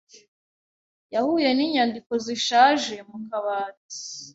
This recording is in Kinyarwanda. Yahuye ninyandiko zishaje mu kabati.